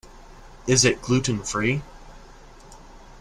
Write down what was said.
Is it gluten-free?